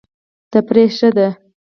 تفریح ښه دی.